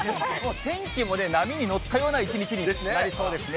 天気も波に乗ったような一日になりそうですね。